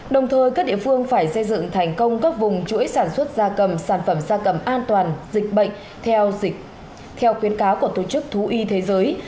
đồng thời các địa phương phải xây dựng thành công các vùng chuỗi sản xuất da cầm sản phẩm da cầm an toàn dịch bệnh theo khuyến cáo của tổ chức thú y thế giới